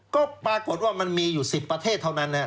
ก็ปรากฏว่ามันมีอยู่๑๐ประเทศเท่านั้น